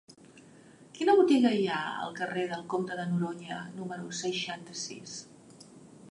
Quina botiga hi ha al carrer del Comte de Noroña número seixanta-sis?